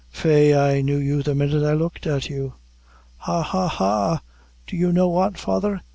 faix I knew you the minute I looked at you." "Ha, ha, ha! Do you know what, father?